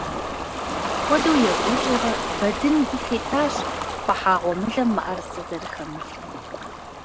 Апхуэдэу екӀуэкӀыурэ, Бэдын гу лъитащ хуахьа гъуэмылэм мыӀэрысэ зэрыхэмылъым.